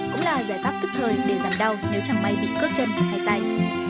cũng là giải pháp thức thời để giảm đau nếu chẳng may bị cướp chân hay tay